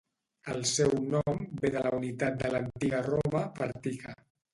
El seu nom ve de la unitat de l'antiga Roma "pertica".